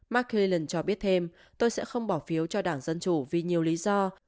markellan cho biết thêm tôi sẽ không bỏ phiếu cho đảng dân chủ vì nhiều lý do